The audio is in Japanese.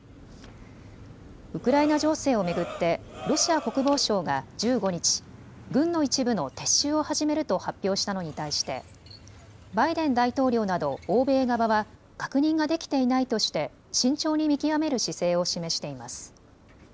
ウクライナ情勢を巡ってロシア国防省が１５日、軍の一部の撤収を始めると発表したのに対してバイデン大統領など欧米側は確認ができていないとして慎重に見極める姿勢を示しています。